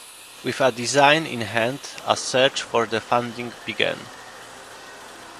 With a design in hand a search for the funding began.